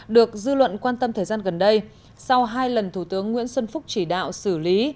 được dư luận quan tâm thời gian gần đây sau hai lần thủ tướng nguyễn xuân phúc chỉ đạo xử lý